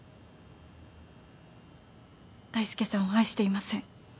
大介さんを愛していません。